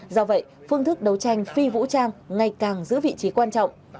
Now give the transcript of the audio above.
do vậy phương thức đấu tranh phi vũ trang ngày càng giữ vị trí quan trọng